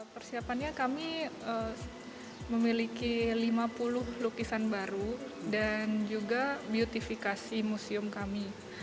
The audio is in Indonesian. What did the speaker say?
persiapannya kami memiliki lima puluh lukisan baru dan juga beautifikasi museum kami